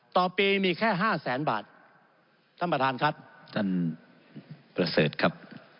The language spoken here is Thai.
ต่อปีมีแค่ห้าแสนบาทท่านประธานครับท่านประเสริฐครับ